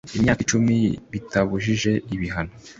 imyaka icumi bitabujije ibihano